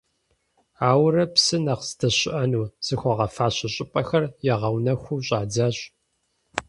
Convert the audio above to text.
Ауэрэ, псы нэхъ здэщыӏэну зыхуагъэфащэ щӏыпӏэхэр ягъэунэхуу щӏадзащ.